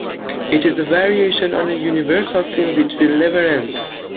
It is a variation on a universal theme which will never end.